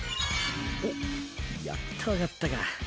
おっやっと上がったか。